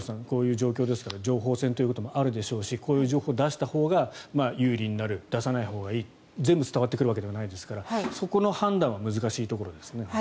こういう状況ですから情報戦ということもあるでしょうしこういう情報を出したほうが有利になる、出さないほうがいい全部伝わってくるわけではないですからそこの判断は難しいところですね。